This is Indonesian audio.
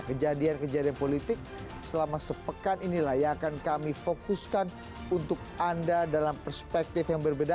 kejadian kejadian politik selama sepekan inilah yang akan kami fokuskan untuk anda dalam perspektif yang berbeda